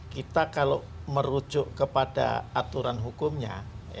kita kalau merujuk kepada aturan hukumnya